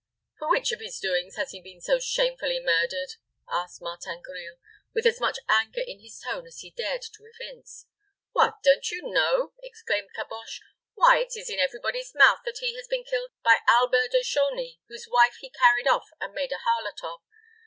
"For which of his doings has he been so shamefully murdered?" asked Martin Grille, with as much anger in his tone as he dared to evince. "What, don't you know?" exclaimed Caboche. "Why, it is in every body's mouth that he has been killed by Albert de Chauny, whose wife he carried off and made a harlot of.